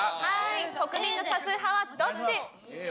国民の多数派はどっち？